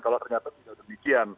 kalau ternyata tidak demikian